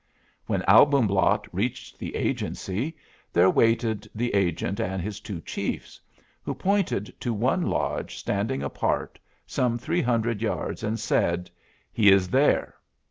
When Albumblatt reached the Agency, there waited the agent and his two chiefs, who pointed to one lodge standing apart some three hundred yards, and said, "He is there."